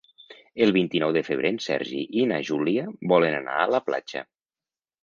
El vint-i-nou de febrer en Sergi i na Júlia volen anar a la platja.